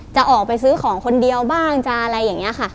จะออกไปซื้อของคนเดียวบ้างจะอะไรอย่างนี้ค่ะ